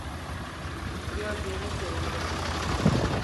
Gördüğüme sevindim.